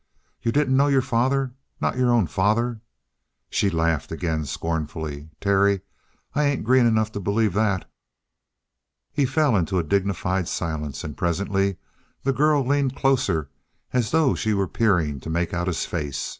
"You didn't know your father not your own father?" She laughed again scornfully. "Terry, I ain't green enough to believe that!" He fell into a dignified silence, and presently the girl leaned closer, as though she were peering to make out his face.